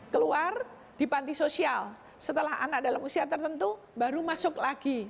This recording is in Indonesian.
keluar di panti sosial setelah anak dalam usia tertentu baru masuk lagi